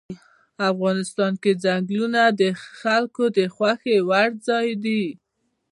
افغانستان کې ځنګلونه د خلکو د خوښې وړ ځای دی.